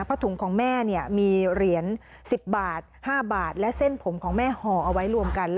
เพราะถุงของแม่มีเหรียญ๑๐บาท๕บาทและเส้นผมของแม่ห่อเอาไว้รวมกัน